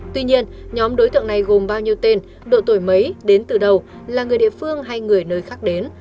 tuy nhiên nhóm đối tượng này gồm bao nhiêu tên độ tuổi mấy đến từ đầu là người địa phương hay người nơi khác đến